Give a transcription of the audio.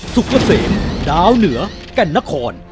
สุขเศษดาวเหนือแก่นนะคร